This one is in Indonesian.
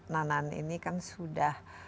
nanan ini kan sudah